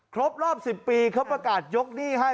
ครบรอบ๑๐ปีเขาประกาศยกหนี้ให้